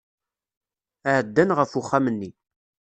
Ɛeddan ɣef uxxam-nni.